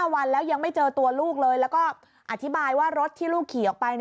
วันแล้วยังไม่เจอตัวลูกเลยแล้วก็อธิบายว่ารถที่ลูกขี่ออกไป